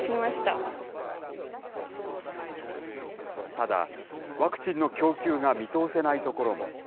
ただ、ワクチンの供給が見通せない所も。